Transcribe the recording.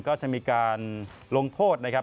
ก็จะมีการลงโทษนะครับ